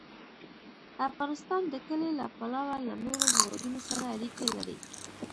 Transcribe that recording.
افغانستان د کلي له پلوه له نورو هېوادونو سره اړیکې لري.